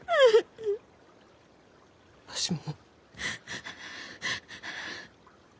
わしも。